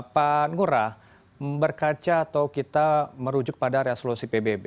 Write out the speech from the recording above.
pangurah berkaca atau kita merujuk pada resolusi pbb